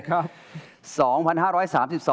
ครับ